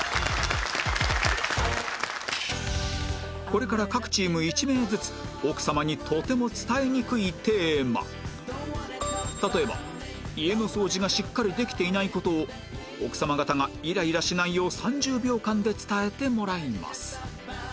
これから各チーム１名ずつ奥さまにとても伝えにくいテーマ例えば家の掃除がしっかりできていない事を奥さま方がイライラしないよう３０秒間で伝えてもらいます